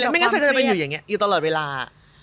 ไม่งั้นใส่จะไปอยู่อย่างนี้อยู่ตลอดเวลา